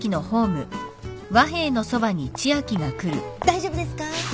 大丈夫ですか？